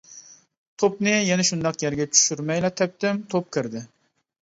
توپنى يەنە شۇنداق يەرگە چۈشۈرمەيلا تەپتىم، توپ كىردى.